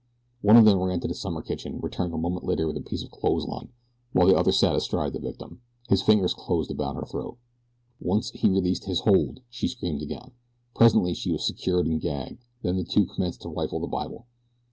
One of them ran to the summer kitchen, returning a moment later with a piece of clothesline, while the other sat astride the victim, his fingers closed about her throat. Once he released his hold and she screamed again. Presently she was secured and gagged. Then the two commenced to rifle the Bible.